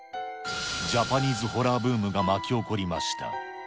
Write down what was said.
ジャパニーズホラーブームが巻き起こりました。